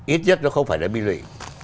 ít nhất nó không phải là bi lụy